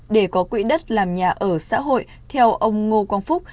để có quỹ đất làm nhà ở xã hội theo ông ngô quang phúc